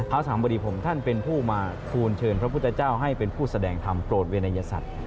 สามบดีผมท่านเป็นผู้มาทูลเชิญพระพุทธเจ้าให้เป็นผู้แสดงธรรมโปรดเวรัยศัตริย์